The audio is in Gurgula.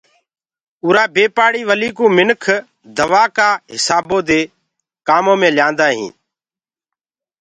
اُرآ بي پآڙهي ولي ڪوُ منک دو ڪآ هسآبودي ڪآمو مي ليندآ هينٚ۔